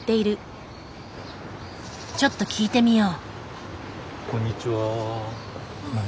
ちょっと聞いてみよう。